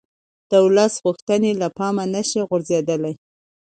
د ولس غوښتنې له پامه نه شي غورځېدلای